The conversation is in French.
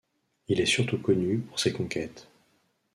Il est surtout connu pour ses conquêtes.